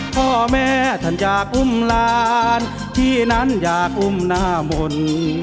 พ่อแม่ท่านอยากอุ้มหลานที่นั้นอยากอุ้มหน้ามนต์